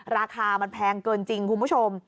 ราคามันแพงเกินจริงคุณผู้ชม